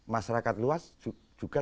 masyarakat luas juga